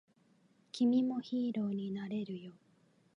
君もヒーローになれるよ